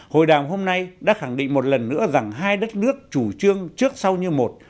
hội đàm hôm nay đã khẳng định một lần nữa rằng hai đất nước chủ trương trước sau như một